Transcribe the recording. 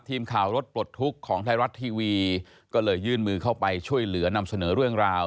ทีมข่าวรถปลดทุกข์ของไทยรัฐทีวีก็เลยยื่นมือเข้าไปช่วยเหลือนำเสนอเรื่องราว